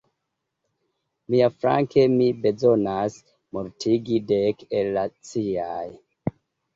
Miaflanke, mi bezonas mortigi dek el la ciaj.